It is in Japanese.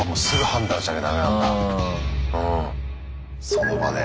その場で。